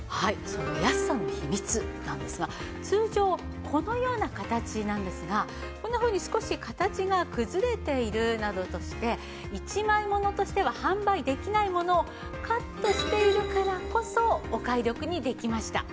その安さの秘密なんですが通常このような形なんですがこんなふうに少し形が崩れているなどとして一枚物としては販売できないものをカットしているからこそお買い得にできました。